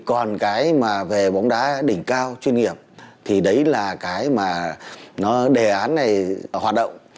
còn cái mà về bóng đá đỉnh cao chuyên nghiệp thì đấy là cái mà đề án này hoạt động